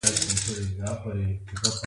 افغانستان په یورانیم باندې تکیه لري.